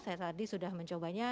saya tadi sudah mencobanya